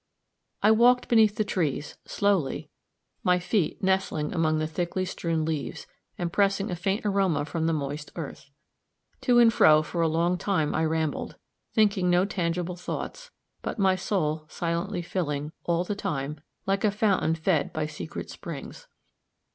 I walked beneath the trees, slowly, my feet nestling among the thickly strewn leaves, and pressing a faint aroma from the moist earth. To and fro for a long time I rambled, thinking no tangible thoughts, but my soul silently filling, all the time, like a fountain fed by secret springs.